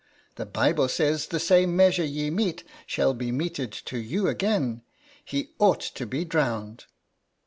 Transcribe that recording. The Bible says the same measure ye mete shall be meted to you again. He ought to be drowned."